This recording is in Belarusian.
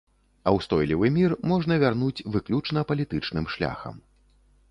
А ўстойлівы мір можна вярнуць выключна палітычным шляхам.